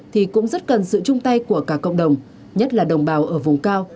thì cũng rất cần sự chung tay của cả cộng đồng nhất là đồng bào ở vùng cao